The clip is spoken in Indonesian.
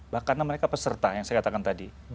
bahwa karena mereka peserta yang saya katakan tadi